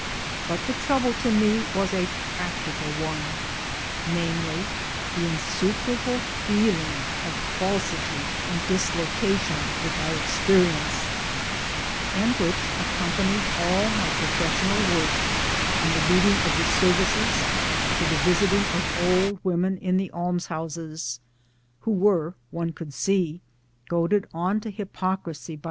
But the trouble to me was a practical one namely the insuperable feeling of falsity and dislocation which I experienced, and which accompanied all my professional work from the reading of the services to the visiting of old women in their almshouses : who were, one could see, goaded on to hypocrisy by CAMBRIDGE!